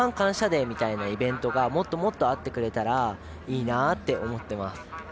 デーみたいなイベントがもっとあってくれたらいいなって思っています。